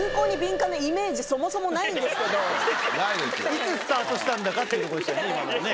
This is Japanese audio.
いつスタートしたんだかっていうとこでしたよね